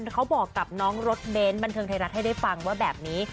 เขาบอกกับน้องรถเบนท์บันเทิงไทยรัฐให้ได้ฟังว่าแบบนี้